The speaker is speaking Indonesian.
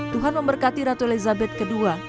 tuhan memberkati ratu elizabeth ii